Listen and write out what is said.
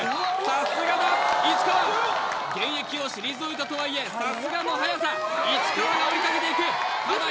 さすがだ市川現役を退いたとはいえさすがの速さ市川が追いかけていくただ